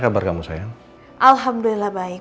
kabar kamu saya alhamdulillah baik